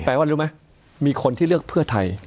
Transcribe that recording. ว่ารู้ไหมมีคนที่เลือกเพื่อไทย